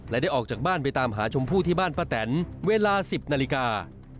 และได้ออกจากบ้านไปตามหาชมพู่ที่บ้านป้าแตนเวลา๑๐นาฬิกา